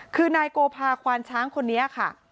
คือนายโกภาควานช้างคนนี้ค่ะ